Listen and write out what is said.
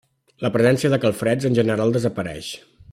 La presència de calfreds en general desapareix.